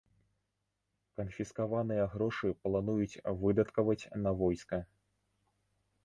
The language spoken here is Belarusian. Канфіскаваныя грошы плануюць выдаткаваць на войска.